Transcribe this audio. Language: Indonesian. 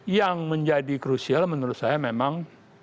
yang menjadi krusial menurut saya memang